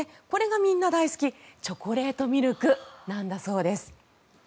これがみんな大好きチョコレートミルクなんだそうです。